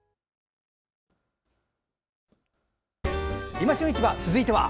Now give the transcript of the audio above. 「いま旬市場」続いては？